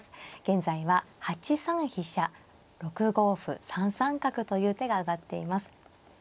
現在は８三飛車６五歩３三角という手が挙がっています。